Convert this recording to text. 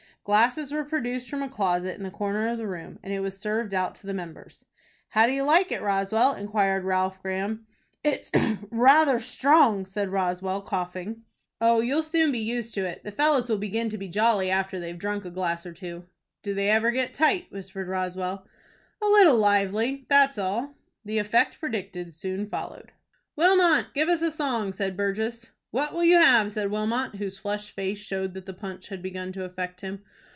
Glasses were produced from a closet in the corner of the room, and it was served out to the members. "How do you like it, Roswell?" inquired Ralph Graham. "It's rather strong," said Roswell, coughing. "Oh, you'll soon be used to it. The fellows will begin to be jolly after they've drunk a glass or two." "Do they ever get tight?" whispered Roswell. "A little lively, that's all." The effect predicted soon followed. "Wilmot, give us a song," said Burgess. "What will you have?" said Wilmot, whose flushed face showed that the punch had begun to affect him.